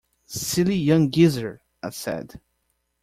"Silly young geezer," I said.